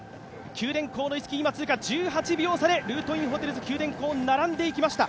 九電工の逸木通過、１８秒差でルートインホテルズ九電工並んでいきました。